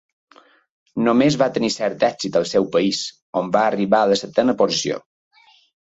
Només va tenir cert èxit al seu país, on va arribar a la setena posició.